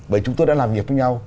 bởi chúng tôi đã làm nghiệp với nhau